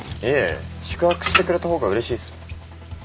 いえ宿泊してくれた方がうれしいっす